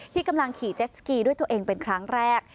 ที่กำลังขี่เจสสกีด้วยตัวเองเป็นครั้งแรก